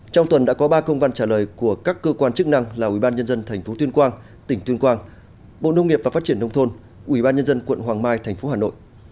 trong tuần đã có ba công văn trả lời của các cơ quan chức năng là ubnd tp tuyên quang tỉnh tuyên quang bộ nông nghiệp và phát triển nông thôn ubnd quận hoàng mai tp hà nội